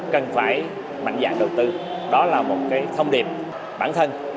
cần phải mạnh dạng đầu tư đó là một cái thông điệp bản thân